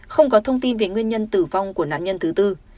không có thông tin về nguyên nhân tử vong của nạn nhân thứ tư